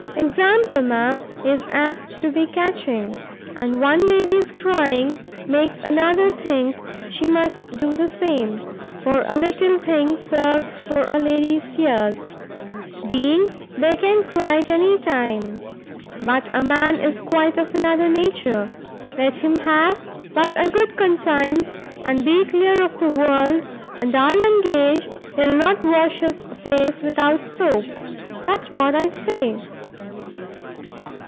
Example, ma'am, is apt to be catching, and one lady's crying makes another think she must do the same, for a little thing serves for a lady's tears, being they can cry at any time: but a man is quite of another nature, let him but have a good conscience, and be clear of the world, and I'll engage he'll not wash his face without soap! that's what I say!"